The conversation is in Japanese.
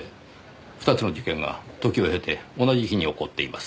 ２つの事件が時を経て同じ日に起こっています。